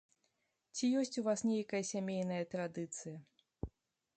Ці ёсць у вас нейкая сямейная традыцыя?